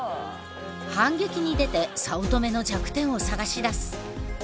反撃に出て早乙女の弱点を探し出す。